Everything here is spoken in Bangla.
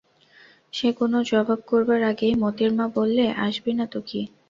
সে কোনো জবাব করবার আগেই মোতির মা বললে, আসবি না তো কী?